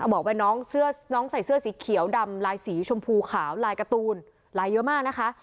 บอกว่าน้องเสื้อน้องใส่เสื้อสีเขียวดำลายสีชมพูขาวลายการ์ตูนลายเยอะมากนะคะ